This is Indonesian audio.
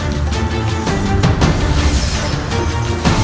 sering menyusahkan tetapi